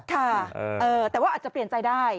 ค่ะแต่ว่าอาจจะเปลี่ยนใจได้